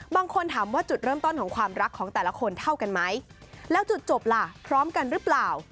บางคนถามว่าจุดเริ่มต้นของความรักของแต่ละคนเท่ากันไหมแล้วจุดจบล่ะพร้อมกันหรือเปล่า